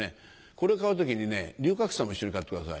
これ買う時にね龍角散も一緒に買ってください。